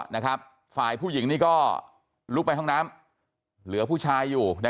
ฝ่ายผู้หญิงนี้ก็ลุกไปห้องน้ำเหลือผู้ชายอยู่